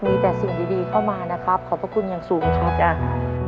มีแต่สิ่งดีเข้ามานะครับขอบคุณอย่างสูงทุกอย่าง